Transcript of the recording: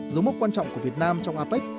dấu mốc quan trọng của việt nam trong apec